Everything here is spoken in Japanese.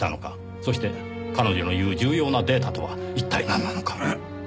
そして彼女の言う重要なデータとは一体なんなのか？